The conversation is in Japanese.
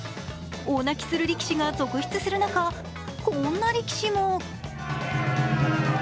大泣きする力士が続出する中こんな力士も。